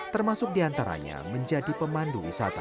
termasuk diantaranya menjadi pemandu wisata